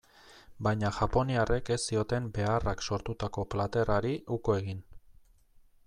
Baina japoniarrek ez zioten beharrak sortutako plater hari uko egin.